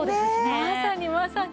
まさにまさに。